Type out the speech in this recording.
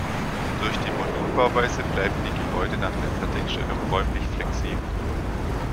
Durch die Modulbauweise bleiben die Gebäude nach der Fertigstellung räumlich flexibel.